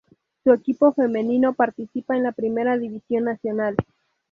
Su equipo femenino participa en la primera división nacional.